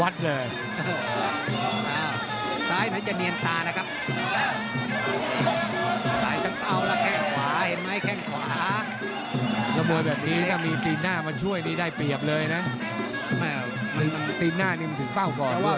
ซ้ายเหมือนกันนะแต่เป็นคนละคนหัวจิตหัวใจไม่ต้องห่วงแล้ว